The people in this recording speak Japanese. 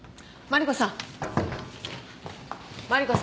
マリコさん。